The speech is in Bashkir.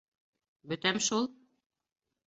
Бөтәм шул!